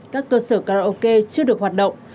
các cơ sở karaoke chưa được hoạt động